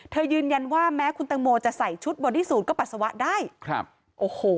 ยืนยันว่าแม้คุณตังโมจะใส่ชุดบอดี้สูตรก็ปัสสาวะได้ครับโอ้โห